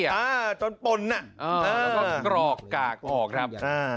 แล้วก็ป่นตกรอกกากออกครับ